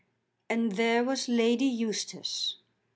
And there was Lady Eustace!